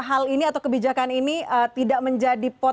hal ini atau kebijakan ini